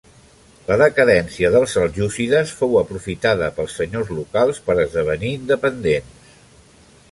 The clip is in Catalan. La decadència dels seljúcides fou aprofitada pels senyors locals per esdevenir independents.